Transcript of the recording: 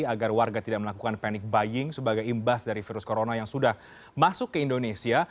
agar warga tidak melakukan panic buying sebagai imbas dari virus corona yang sudah masuk ke indonesia